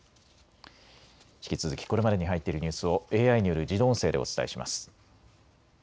引き続きこれまでに入っているニュースをＡＩによる自動音声でお伝えします。